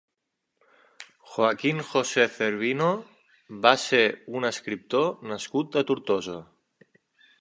Joaquín José Cervino va ser un escriptor nascut a Tortosa.